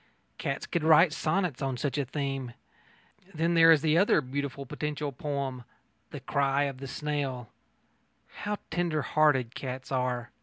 Cats could write sonnets on such a theme.... Then there is that other beautiful potential poem, The Cry of the Snail.... How tender hearted cats are!